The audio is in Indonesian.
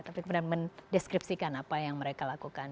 tapi benar benar mendeskripsikan apa yang mereka lakukan